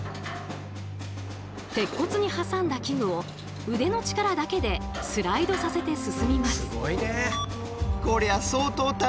鉄骨に挟んだ器具を腕の力だけでスライドさせて進みます。